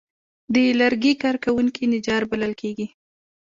د لرګي کار کوونکي نجار بلل کېږي.